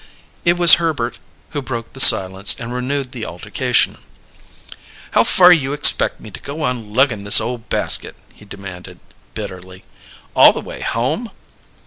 It was Herbert who broke the silence and renewed the altercation. "How far you expeck me to go on luggin' this ole basket?" he demanded bitterly. "All the way home?"